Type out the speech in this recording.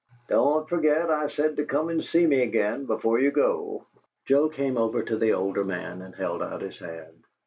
Don't forget I said to come to see me again before you go." Joe came over to the older man and held out his hand.